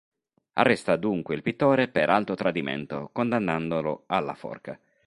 Arresta dunque il pittore per alto tradimento condannandolo alla forca.